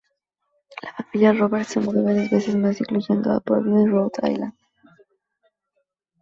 La familia Roberts se mudó varias veces más, incluyendo a Providence, Rhode Island.